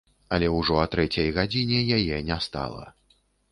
Але ўжо а трэцяй гадзіне яе не стала.